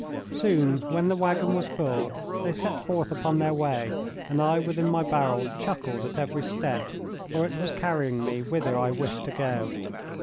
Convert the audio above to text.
Soon, when the waggon was full, they set forth upon their way, and I within my barrel chuckled at every step, for it was carrying me whither I wished to go.